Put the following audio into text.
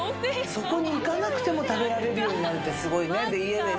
そこに行かなくても食べられるようになるってすごいね家でね